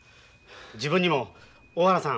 自分にも「大原さん